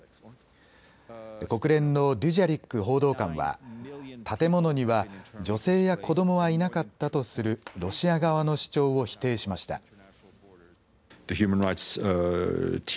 国連のデュジャリック報道官は建物には女性や子どもはいなかったとするロシア側の主張を否定しました。